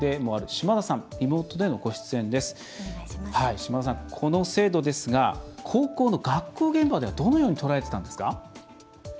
島田さん、この制度ですが高校の学校現場ではどのように捉えてたんですか？